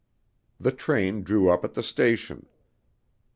The train drew up at the station.